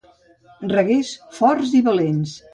Reguers, forts i valents.